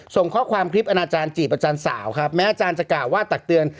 ส่งข้อความคลิปอนาจารย์จีบอาจารย์สาวครับแม้อาจารย์จะกล่าวว่าตักเตือน